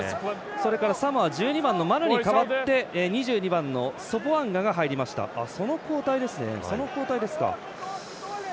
それからサモア１２番のマヌに代わって２２番のソポアンガとその交代ですか。